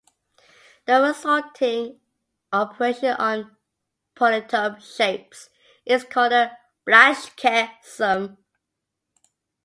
The resulting operation on polytope shapes is called the Blaschke sum.